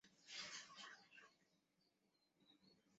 短萼素馨是木犀科素馨属的植物。